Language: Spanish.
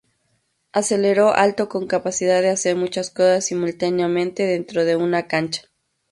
Alero alto con capacidad de hacer muchas cosas simultáneamente dentro de una cancha.